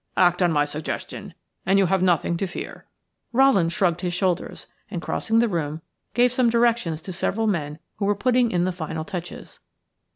"Act on my suggestion and you have nothing to fear." Rowland shrugged his shoulders, and crossing the room gave some directions to several men who were putting in the final touches.